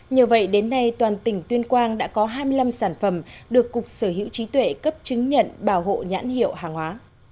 nhờ vậy đến nay toàn tỉnh tuyên quang đã có hai mươi năm sản phẩm được cục sở hữu trí tuệ cấp chứng nhận bảo hộ nhãn hiệu hàng hóa